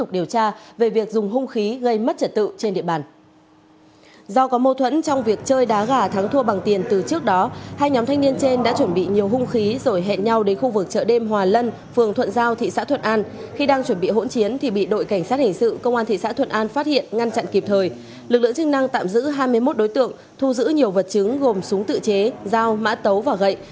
lực lượng chức năng tạm giữ hai mươi một đối tượng thu giữ nhiều vật chứng gồm súng tự chế dao mã tấu và gậy